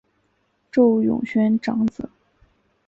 邹永煊长子。